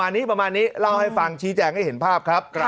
อันนี้ประมาณนี้เล่าให้ฟังชี้แจงให้เห็นภาพครับ